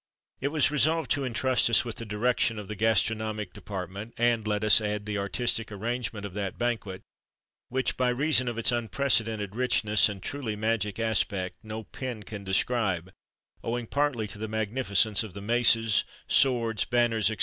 It was resolved to intrust us with the direction of the gastronomic department, and, let us add, the artistic arrangement of that banquet, which, by reason of its unprecedented richness and truly magic aspect, no pen can describe, owing partly to the magnificence of the maces, swords, banners, &c.